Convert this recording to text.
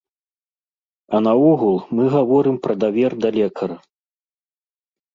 А наогул, мы гаворым пра давер да лекара.